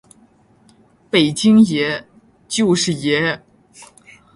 北京爷，就是爷！